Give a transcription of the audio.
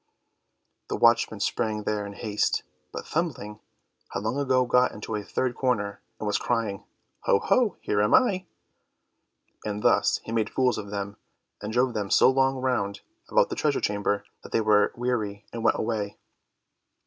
The watchmen sprang there in haste, but Thumbling had long ago got into a third corner, and was crying, "Ho, ho, here am I!" And thus he made fools of them, and drove them so long round about the treasure chamber that they were weary and went away.